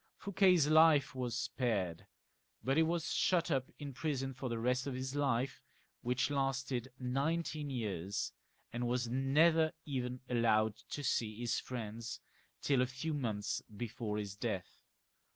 Fouquet's life was spared ; but he was shut up in prison for the rest of his life, which lasted nineteen years, and "5^»^w"T^ XLiii.] LOUIS XIV. 339 ■■ was never even allowed to see his friends till a few months before his death.